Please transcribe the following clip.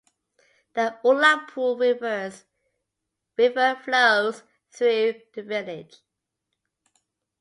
The Ullapool River flows through the village.